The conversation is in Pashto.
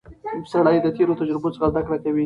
سړی د تېرو تجربو څخه زده کړه کوي